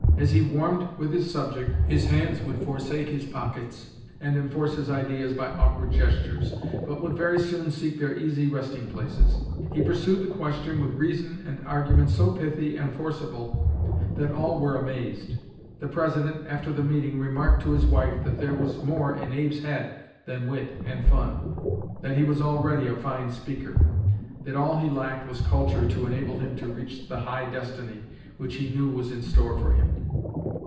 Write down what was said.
As he warmed with his subject, his hands would forsake his pockets and enforce his ideas by awkward gestures, but would very soon seek their easy resting places. He pursued the question with reason and argument so pithy and forcible that all were amazed. The president, after the meeting, remarked to his wife that there was more in Abe's head than wit and fun; that he was already a fine speaker; that all he lacked was culture to enable him to reach the high destiny which he knew was in store for him."